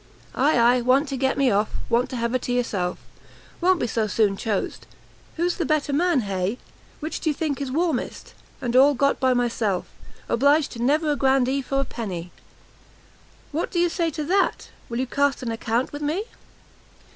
"Ay, ay, want to get me off; want to have her to yourself! won't be so soon choused; who's the better man? hay? which do you think is warmest? and all got by myself; obliged to never a grandee for a penny; what do you say to that? will you cast an account with me?"